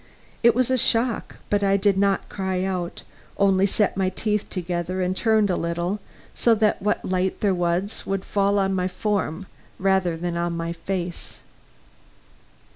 It was a shock but I did not cry out only set my teeth together and turned a little so that what light there was would fall on my form rather than on my face.